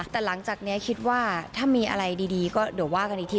แต่หลังจากนี้คิดว่าถ้ามีอะไรดีก็เดี๋ยวว่ากันอีกที